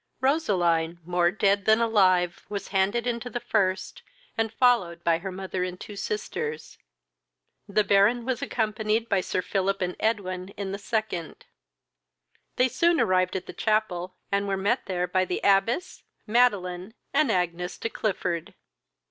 Roseline, more dead than alive, was handed into the first, and followed by her mother and two sisters. The Baron was accompanied by Sir Philip and Edwin in the second. They soon arrived at the chapel, and were met there by the abbess, Madeline, and Agnes de Clifford.